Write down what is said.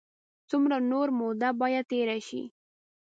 څومره نوره موده باید تېره شي.